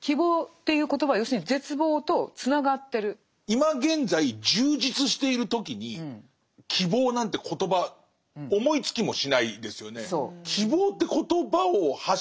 今現在充実している時に「希望」なんて言葉思いつきもしないですよね。